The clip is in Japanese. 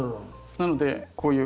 なのでこういう。